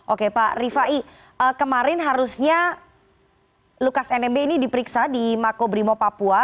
oke pak rifai kemarin harusnya lukas nmb ini diperiksa di makobrimo papua